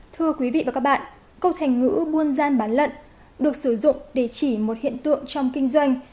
thưa quý vị và các bạn câu thành ngữ buôn gian bán lận được sử dụng để chỉ một hiện tượng trong kinh doanh